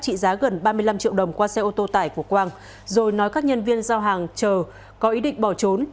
trị giá gần ba mươi năm triệu đồng qua xe ô tô tải của quang rồi nói các nhân viên giao hàng chờ có ý định bỏ trốn